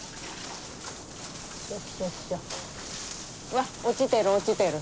わっ落ちてる落ちてる。